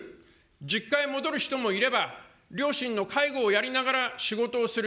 実家へ戻る人もいれば、両親の介護をやりながら仕事をする。